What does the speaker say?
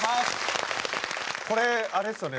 これあれですよね？